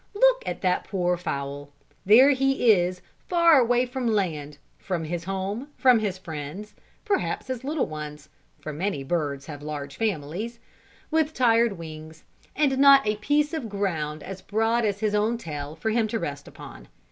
Look at that poor fowl; there he is, far away from land, from his home, from his friends, perhaps his little ones (for many birds have large families), with tired wings, and not a piece of ground as broad as his own tail for him to rest upon.